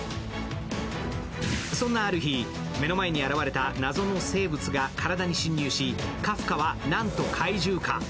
そんなある日、目の前に現れた謎の生物が体に侵入しカフカはなんと怪獣化！